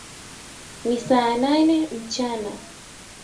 Ni saa nane mchana